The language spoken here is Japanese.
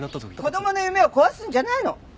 子供の夢を壊すんじゃないの！